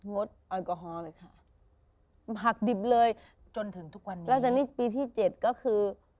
ดแอลกอฮอล์เลยค่ะผักดิบเลยจนถึงทุกวันนี้แล้วตอนนี้ปีที่เจ็ดก็คือ